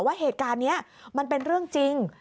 ว่าเหตุการณ์นี้มันเป็นเรื่องจริง